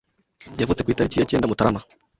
yavutse ku itariki ya cyenda Mutarama